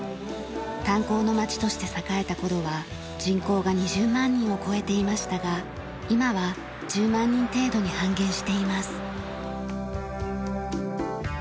炭鉱の町として栄えた頃は人口が２０万人を超えていましたが今は１０万人程度に半減しています。